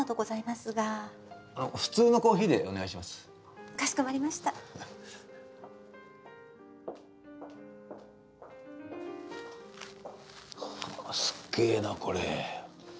すっげえなこれ。